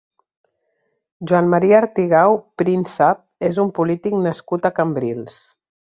Joan Maria Artigau Príncep és un polític nascut a Cambrils.